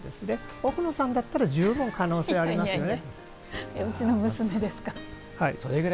奥野さんだったら十分、可能性がありますよね。